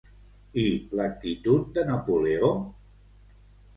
I l'actitud de Napoleó?